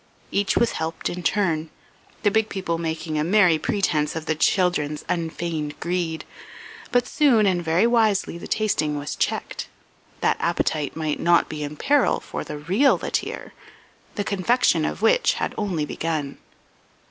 Each was helped in turn, the big people making a merry pretence of the children's unfeigned greed; but soon, and very wisely, the tasting was checked, that appetite might not be in peril for the real la tire, the confection of which had only begun.